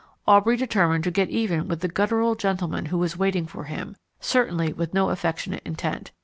Aubrey determined to get even with the guttural gentleman who was waiting for him, certainly with no affectionate intent.